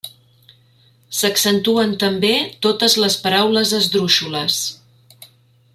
S'accentuen també totes les paraules esdrúixoles.